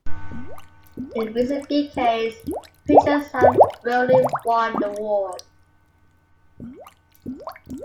In recent decades, pitchers have rarely won the award.